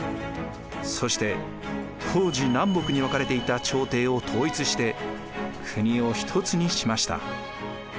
そして当時南北に分かれていた朝廷を統一して国を一つにしました。